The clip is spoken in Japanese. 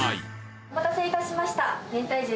お待たせいたしました。